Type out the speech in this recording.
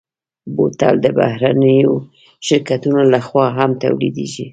بوتل د بهرنيو شرکتونو لهخوا هم تولیدېږي.